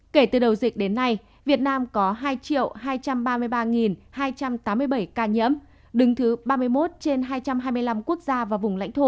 kể từ đầu dịch đến nay việt nam có hai hai trăm ba mươi ba hai trăm tám mươi bảy ca nhiễm đứng thứ ba mươi một trên hai trăm hai mươi năm quốc gia và vùng lãnh thổ